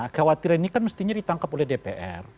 kekhawatiran ini kan mestinya ditangkap oleh dpr